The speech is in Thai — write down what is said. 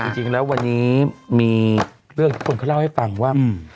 จริงแล้ววันนี้มีเรื่องทุกคนก็เล่าให้ฟังว่า